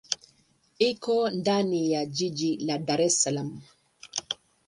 Iko ndani ya jiji la Dar es Salaam.